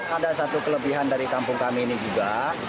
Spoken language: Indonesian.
ada satu kelebihan dari kampung kami ini juga